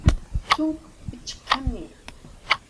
cxunk pichqani